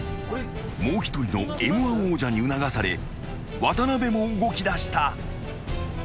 ［もう一人のＭ−１王者に促され渡辺も動きだした］